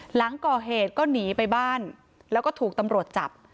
หลังก่อเหตุก็หนีไปบ้านแล้วก็ถูกตำรวจจับ